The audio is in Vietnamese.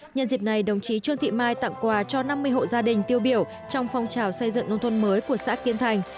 nhân dịp này đồng chí trương thị mai tặng quà cho năm mươi hộ gia đình tiêu biểu trong phong trào xây dựng nông thôn mới của xã kiên thành